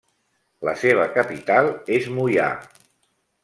La seva capital és Moià.